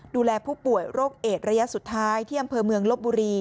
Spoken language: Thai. ดูแลผู้ป่วยโรคเอดระยะสุดท้ายที่อำเภอเมืองลบบุรี